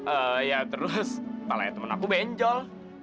eh ya terus kepalanya temen aku benjol